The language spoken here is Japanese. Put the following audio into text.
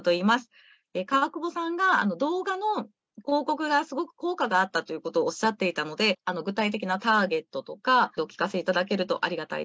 川久保さんが動画の広告がすごく効果があったということをおっしゃっていたので具体的なターゲットとかお聞かせいただけるとありがたいです」。